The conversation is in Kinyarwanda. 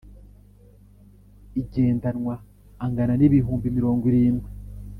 igendanwa angana n ibihumbi mirongo irindwi